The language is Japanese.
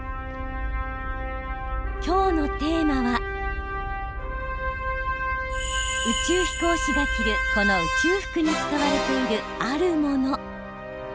今日のテーマは宇宙飛行士が着るこの宇宙服に使われているあるもの。